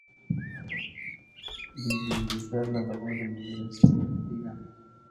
visibilizar la labor de mujeres que investigan